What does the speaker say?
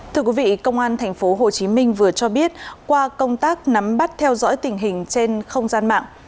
thưa quý vị công an tp hcm vừa cho biết qua công tác nắm bắt theo dõi tình hình trên không gian mạng